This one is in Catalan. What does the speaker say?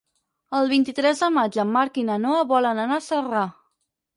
El vint-i-tres de maig en Marc i na Noa volen anar a Celrà.